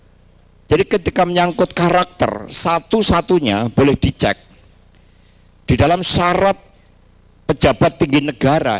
hai jadi ketika menyangkut karakter satu satunya boleh dicek di dalam syarat pejabat tinggi negara